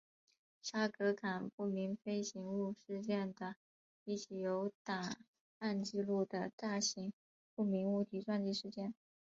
沙格港不明飞行物事件的一起有档案记录的大型不明物体撞击事件。